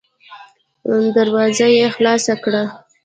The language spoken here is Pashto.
دروازه يې خلاصه کړه.